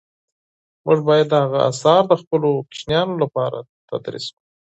موږ باید د هغه آثار د خپلو ماشومانو لپاره تدریس کړو.